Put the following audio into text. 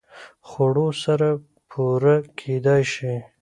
خوړو سره پوره کېدای شي